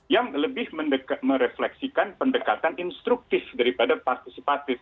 yang lebih merefleksikan pendekatan instruktif daripada partisipatif